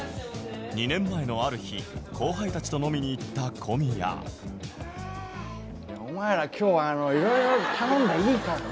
２年前のある日後輩たちと飲みに行った小宮お前ら今日はいろいろ頼んでいいからね。